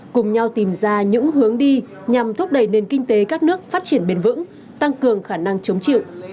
cùng nhau tìm ra những hướng đi nhằm thúc đẩy nền kinh tế các nước phát triển bền vững tăng cường khả năng chống chịu